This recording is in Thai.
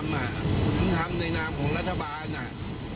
ผมทำผมทำในรามของรัฐบาล